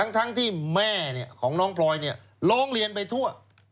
ทั้งที่แม่ของน้องพลอยร้องเรียนไปทั่ว